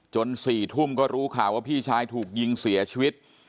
๔ทุ่มก็รู้ข่าวว่าพี่ชายถูกยิงเสียชีวิต